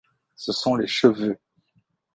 Ce sont les cheveux.